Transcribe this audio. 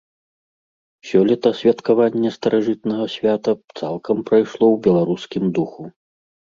Сёлета святкаванне старажытнага свята цалкам прайшло ў беларускім духу.